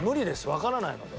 わからないので。